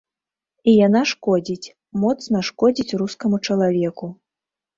І яна шкодзіць, моцна шкодзіць рускаму чалавеку.